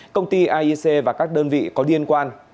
công ty aic và các đơn vị có liên quan